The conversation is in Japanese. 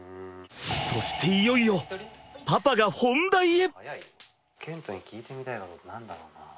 そしていよいよパパが本題へ。